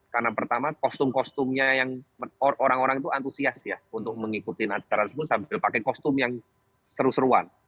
karena pertama kostum kostumnya yang orang orang itu antusias ya untuk mengikuti acara sambil pakai kostum yang seru seruan